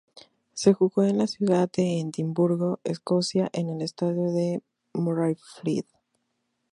Se jugó en la ciudad de Edimburgo, Escocia en el Estadio Murrayfield.